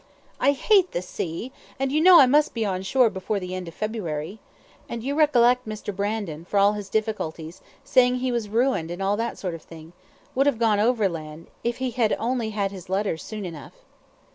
"I hate the sea, and you know I must be on shore before the end of February. And you recollect Mr. Brandon, for all his difficulties saying he was ruined and all that sort of thing would have gone overland, if he had only had his letters soon enough."